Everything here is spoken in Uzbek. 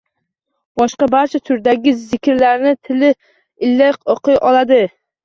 Boshqa barcha turdagi zikrlarni tili ila o‘qiy oladi